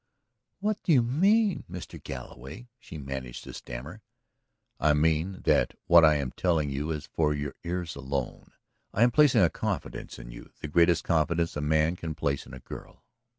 "What do you mean, Mr. Galloway?" she managed to stammer. "I mean that what I am telling you is for your ears alone. I am placing a confidence in you, the greatest confidence a man can place in a girl.